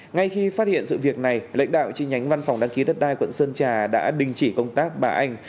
ngay khi phát hiện sự việc này lãnh đạo chi nhánh văn phòng đăng ký đất đai quận sơn trà đã đình chỉ công tác bà anh